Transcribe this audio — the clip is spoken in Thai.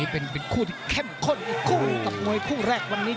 เป็นคู่ที่แข้มข้นคู่กับมวยคู่แรกวันนี้